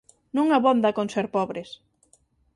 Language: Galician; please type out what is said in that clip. Non abonda con ser pobres